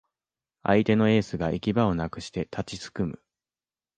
相手のエースが行き場をなくして立ちすくむ